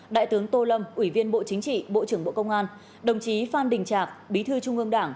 đại tướng tô lâm ủy viên bộ chính trị bộ trưởng bộ công an đồng chí phan đình trạc bí thư trung ương đảng